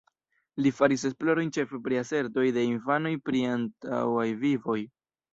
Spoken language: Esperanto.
Li faris esplorojn ĉefe pri asertoj de infanoj pri antaŭaj vivoj.